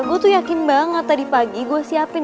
aku tuh yakin banget tadi pagi gue siapin